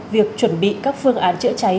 việc chuẩn bị các phương án chữa cháy